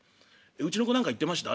「うちの子何か言ってました？」